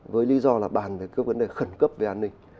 với lý do là bàn về các vấn đề khẩn cấp về an ninh